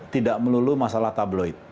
tidak melulu masalah tabloid